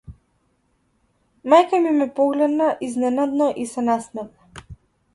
Мајка ми ме погледна изненадено и се насмевна.